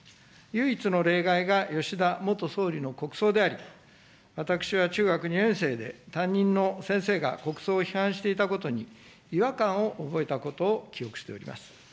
唯一の例外が吉田元総理の国葬であり、私は中学２年生で、担任の先生が国葬を批判していたことに、違和感を覚えたことを記憶しております。